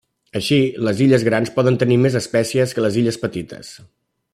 Així les illes grans poden tenir més espècies que les illes petites.